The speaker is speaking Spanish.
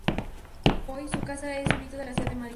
Hoy, su casa es un hito en la ciudad de Madison.